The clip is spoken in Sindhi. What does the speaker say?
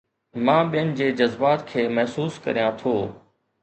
مان ٻين جي جذبات کي محسوس ڪريان ٿو